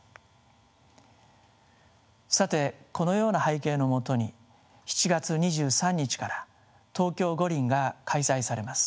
さてこのような背景のもとに７月２３日から東京五輪が開催されます。